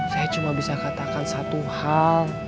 saya cuma bisa katakan satu hal